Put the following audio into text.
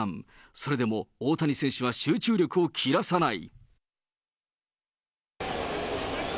それでも大谷選手は集中力を切らさない。